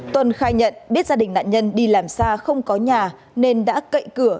tuân khai nhận biết gia đình nạn nhân đi làm xa không có nhà nên đã cậy cửa